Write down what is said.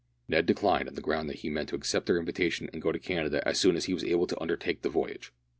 Ned declined, on the ground that he meant to accept their invitation and go to Canada as soon as he was able to undertake the voyage.